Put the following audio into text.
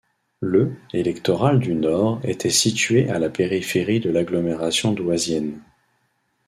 Le électoral du Nord était situé à la périphérie de l'agglomération douaisienne.